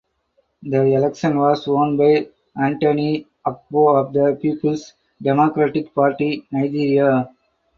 The election was won by Anthony Agbo of the Peoples Democratic Party (Nigeria).